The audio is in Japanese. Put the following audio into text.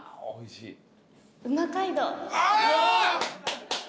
おいしい？